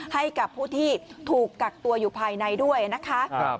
ให้กับผู้ที่ถูกกักตัวอยู่ภายในด้วยนะคะ